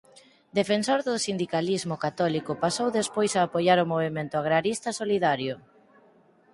Defensor do sindicalismo católico pasou despois a apoiar o movemento agrarista solidario.